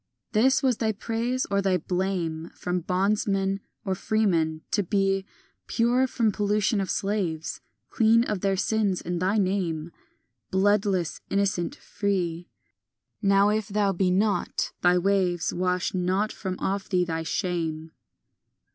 IX This was thy praise or thy blame From bondsman or freeman—to be Pure from pollution of slaves, Clean of their sins, and thy name Bloodless, innocent, free; Now if thou be not, thy waves Wash not from off thee thy shame.